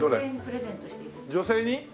女性に？